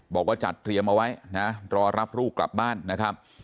บอกว่าจัดเตรียมเอาไว้นะรอรับลูกกลับบ้านนะครับ